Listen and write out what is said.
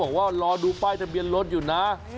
บอกว่ารอดูป้ายทะเบียนรถอยู่นะ